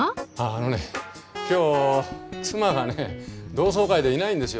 あのね今日妻がね同窓会でいないんですよ。